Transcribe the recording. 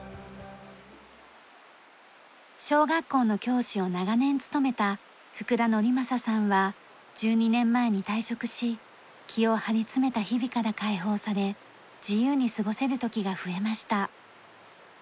小学校の教師を長年務めた福田教将さんは１２年前に退職し気を張り詰めた日々から解放され自由に過ごせる時が増えました。